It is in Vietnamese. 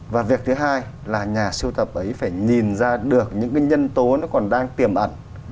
và việc thứ hai là nhà siêu tập ấy phải nhìn ra được những cái nhân tố nó còn đang tiềm ẩn